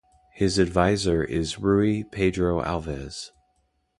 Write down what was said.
His adviser is Rui Pedro Alves.